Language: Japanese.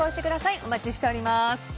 お待ちしております。